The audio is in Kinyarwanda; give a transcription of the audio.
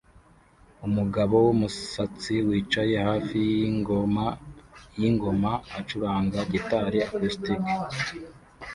Umugabo wumusatsi wicaye hafi yingoma yingoma acuranga gitari acoustic